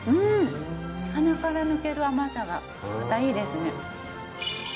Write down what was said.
鼻から抜ける甘さがまたいいですね。